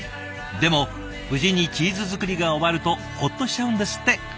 でも無事にチーズづくりが終わるとホッとしちゃうんですって。